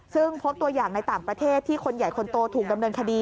ซึ่งพบตัวอย่างในต่างประเทศที่คนใหญ่คนโตถูกดำเนินคดี